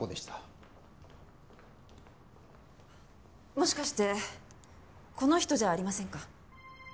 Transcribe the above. もしかしてこの人じゃありませんか？